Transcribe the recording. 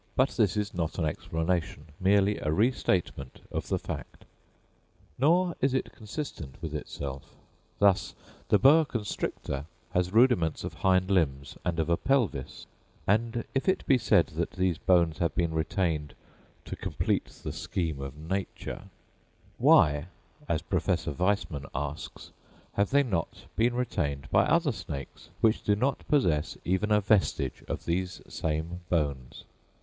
But this is not an explanation, merely a restatement of the fact. Nor is it consistent with itself: thus the boa constrictor has rudiments of hind limbs and of a pelvis, and if it be said that these bones have been retained "to complete the scheme of nature," why, as Professor Weismann asks, have they not been retained by other snakes, which do not possess even a vestige of these same bones?